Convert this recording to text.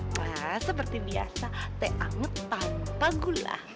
wah seperti biasa teh anget tanpa gula